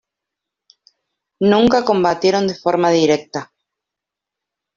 Nunca combatieron de forma directa.